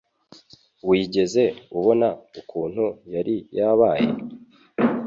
Wigeze ubona ukuntu yari yabaye?